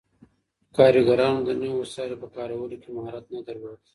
کارګرانو د نويو وسايلو په کارولو کي مهارت نه درلود.